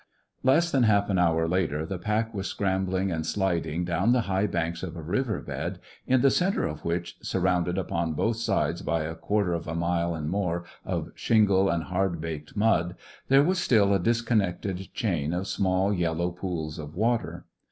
Less than half an hour later the pack was scrambling and sliding down the high banks of a river bed, in the centre of which, surrounded upon both sides by a quarter of a mile and more of shingle and hard baked mud, there was still a disconnected chain of small, yellow pools of water.